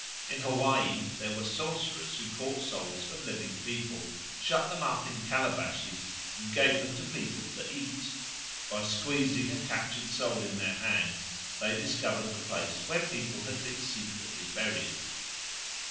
In Hawaii there were sorcerers who caught souls of living people, shut them up in calabashes, and gave them to people to eat. By squeezing a captured soul in their hands they discovered the place where people had been secretly buried.